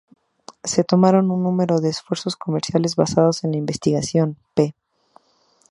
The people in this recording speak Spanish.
Se tomaron un número de esfuerzos comerciales basados en la investigación, "p.